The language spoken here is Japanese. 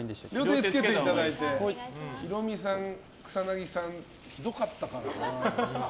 ヒロミさん、草なぎさんひどかったからな。